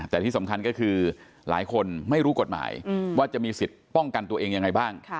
แต่ที่สำคัญก็คือหลายคนไม่รู้กฎหมายว่าจะมีสิทธิ์ป้องกันตัวเองยังไงบ้าง